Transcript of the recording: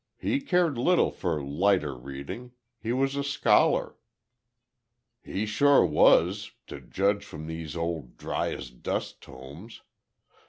"He cared little for lighter reading. He was a scholar." "He sure was—to judge from these old dry as dust tomes.